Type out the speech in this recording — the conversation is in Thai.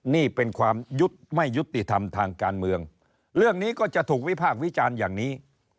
นี่เป็นความยุติไม่ยุติธรรมทางการเมืองเรื่องนี้ก็จะถูกวิพากษ์วิจารณ์อย่างนี้